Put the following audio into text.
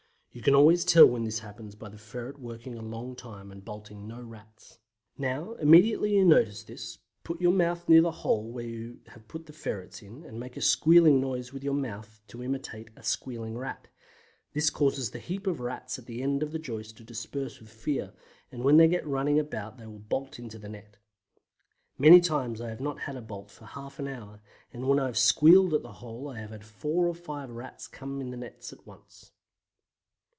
You can always tell when this happens by the ferret working a long time and bolting no Rats. Now, immediately you notice this, put your mouth near the hole where you have put the ferrets in, and make a squealing noise with your mouth to imitate a squealing Rat. This causes the heap of Rats at the end of the joist to disperse through fear, and when they get running about they will bolt into the net. Many times I have not had a bolt for half an hour and when I have squealed at the hole I have had four or five Rats in the nets at once.